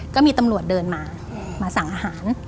ก็มีตำรวจเดินมามาสั่งอาหาร